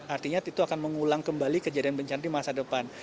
artinya itu akan mengulang kembali kejadian bencana di masa depan